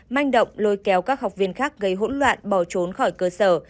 manh động lôi kéo các học viên khác gây hỗn loạn bỏ trốn khỏi cơ sở